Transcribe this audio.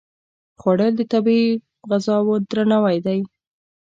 خوړل د طبیعي غذاو درناوی دی